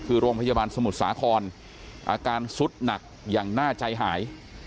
คือโรงพยาบาลสมุทรสาครอาการสุดหนักอย่างน่าใจหาย